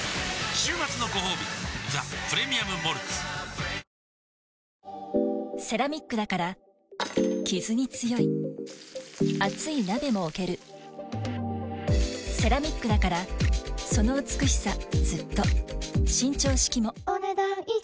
週末のごほうび「ザ・プレミアム・モルツ」セラミックだからキズに強い熱い鍋も置けるセラミックだからその美しさずっと伸長式もお、ねだん以上。